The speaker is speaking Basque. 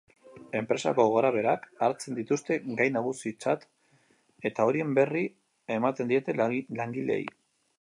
Enpresako gorabeherak hartzen dituzte gai nagusitzat eta horien berri ematen diete langileei.